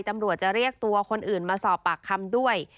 ตำรวจจะเรียกตัวคนอื่นมาสอบปากคำด้วย